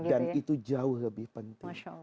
dan itu jauh lebih penting